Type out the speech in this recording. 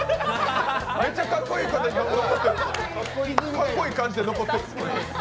かっこいい感じで残ってる。